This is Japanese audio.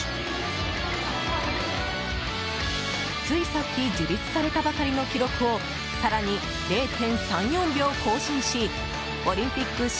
ついさっき樹立されたばかりの記録を更に０．３４秒更新しオリンピック